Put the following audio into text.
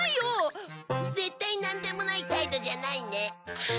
絶対なんでもない態度じゃないね。